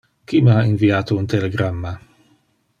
Qui me ha inviate un telegramma?